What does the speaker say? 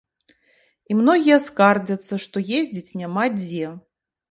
І многія скардзяцца, што ездзіць няма дзе.